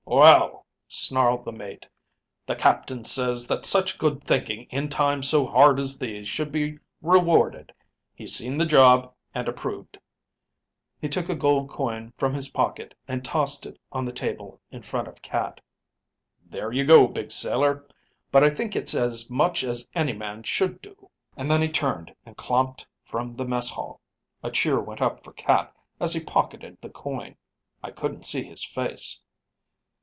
"'Well,' snarled the mate, 'the captain says that such good thinking in times so hard as these should be rewarded. He's seen the job and approved.' He took a gold coin from his pocket and tossed it on the table in front of Cat. 'There you go, Big Sailor. But I think it's as much as any man should do.' And then he turned and clomped from the mess hall. A cheer went up for Cat as he pocketed the coin; I couldn't see his face.